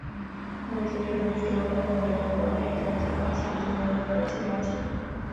他的学术研究主要包括美国国内种族关系以及美国的国际关系。